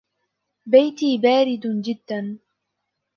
بيتي بارد جدا.